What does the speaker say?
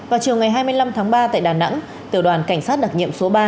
vào chiều ngày hai mươi năm tháng ba tại đà nẵng tiểu đoàn cảnh sát đặc nhiệm số ba